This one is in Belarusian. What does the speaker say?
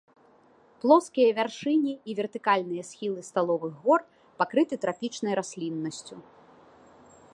Плоскія вяршыні і вертыкальныя схілы сталовых гор пакрыты трапічнай расліннасцю.